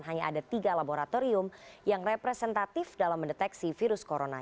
hanya ada tiga laboratorium yang representatif dalam mendeteksi virus corona